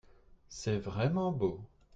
C'est vraiment beau.